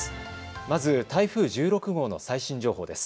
まず台風１６号の最新情報です。